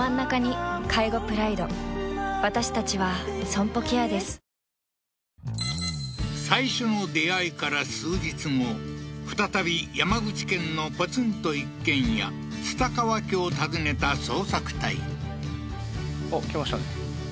そうですか最初の出会いから再び山口県のポツンと一軒家蔦川家を訪ねた捜索隊